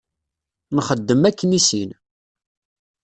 Nxeddem akken i sin.